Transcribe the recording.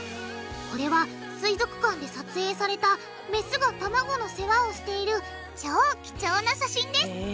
これは水族館で撮影されたメスが卵の世話をしている超貴重な写真です